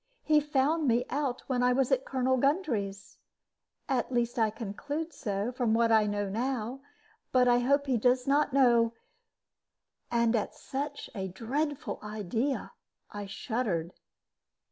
He found me out when I was at Colonel Gundry's. At least I conclude so, from what I know now; but I hope he does not know" and at such a dreadful idea I shuddered.